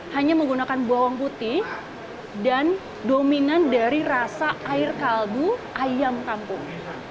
hanya menggunakan bawang putih dan dominan dari rasa air kaldu ayam kampung